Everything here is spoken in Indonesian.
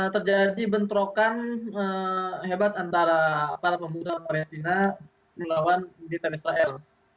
terjadi bentrokan hebat antara para pemuda palestina melawan militan israel